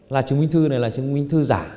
là chứng minh thư này là chứng minh thư giả